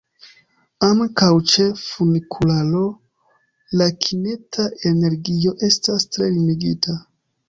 Ankaŭ ĉe funikularo la kineta energio estas tre limigita.